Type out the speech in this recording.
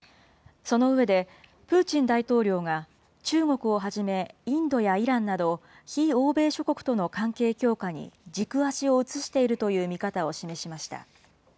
その上で、プーチン大統領が中国をはじめインドやイランなど、非欧米諸国との関係強化に軸足を移しているという見方を示しました。